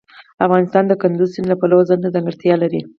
افغانستان د کندز سیند له پلوه ځانته ځانګړتیا لري.